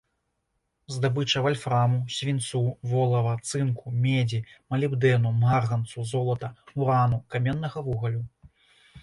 Здабыча вальфраму, свінцу, волава, цынку, медзі, малібдэну, марганцу, золата, урану, каменнага вугалю.